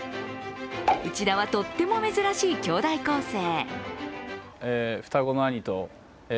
内田はとっても珍しいきょうだい構成。